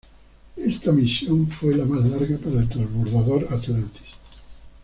Esta misión fue la más larga para el Transbordador Atlantis.